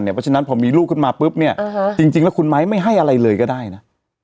เพราะฉะนั้นพอมีลูกขึ้นมาปุ๊บเนี่ยจริงแล้วคุณไม้ไม่ให้อะไรเลยก็ได้นะ